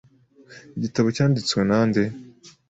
Igitabo cyanditswe nande?